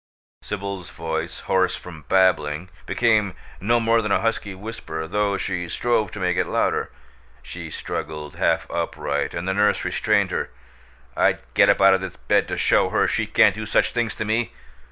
Sibyl's voice, hoarse from babbling, became no more than a husky whisper, though she strove to make it louder. She struggled half upright, and the nurse restrained her. "I'd get up out of this bed to show her she can't do such things to me!